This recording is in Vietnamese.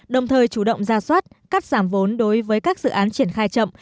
đồng thời chủ động ra soát cắt giảm vốn đối với các dự án triển khai chậm